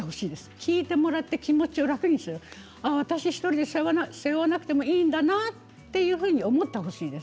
聞いてもらって気持ちを楽にする私１人で背負わなくてもいいんだなというふうに思ってほしいです。